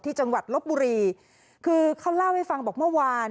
จังหวัดลบบุรีคือเขาเล่าให้ฟังบอกเมื่อวาน